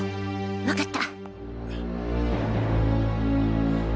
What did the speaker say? わかった。